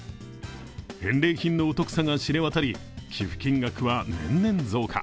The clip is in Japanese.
返礼品のお得さが知れ渡り、寄付金額は年々増加。